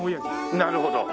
なるほど。